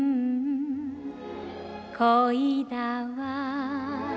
「恋だわ」